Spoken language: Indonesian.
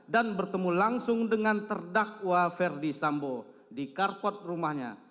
dan bertemu langsung dengan terdakwa ferdi sambo di karpot rumahnya